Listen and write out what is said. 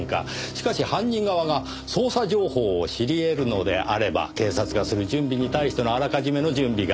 しかし犯人側が捜査情報を知り得るのであれば警察がする準備に対してのあらかじめの準備が出来る。